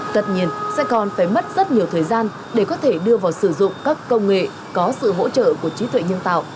tất nhiên sẽ còn phải mất rất nhiều thời gian để có thể đưa vào sử dụng các công nghệ có sự hỗ trợ của trí tuệ nhân tạo